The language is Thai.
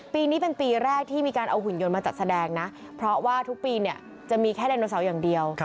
ปีนี้เป็นปีแรกที่มีการเอาหุ่นยนต์มาจัดแสดงนะเพราะว่าทุกปีเนี่ยจะมีแค่ไดโนเสาร์อย่างเดียว